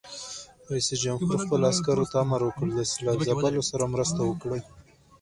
رئیس جمهور خپلو عسکرو ته امر وکړ؛ له سېلاب ځپلو سره مرسته وکړئ!